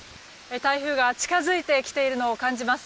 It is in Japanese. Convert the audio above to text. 台風が近づいてきているのを感じます。